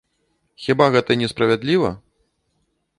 Хіба гэта не справядліва?